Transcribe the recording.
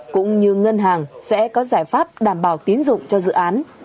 cũng như ngân hàng sẽ có giải pháp đảm bảo tiến dụng cho dự án